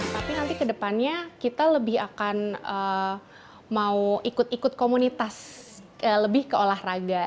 tapi nanti ke depannya kita lebih akan mau ikut ikut komunitas lebih ke olahraga